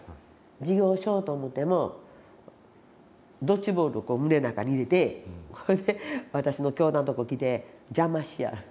授業しようと思ってもドッジボールを胸の中に入れてそれで私の教壇のとこ来て邪魔しやる。